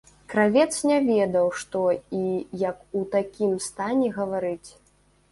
Кравец не ведаў, што і як у такім стане гаварыць.